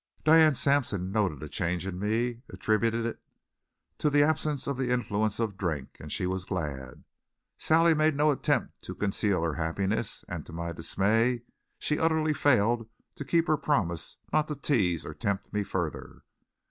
Diane Sampson noted a change in me, attributed it to the absence of the influence of drink, and she was glad. Sally made no attempt to conceal her happiness; and to my dismay, she utterly failed to keep her promise not to tease or tempt me further.